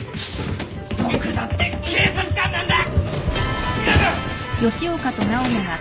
僕だって警察官なんだ！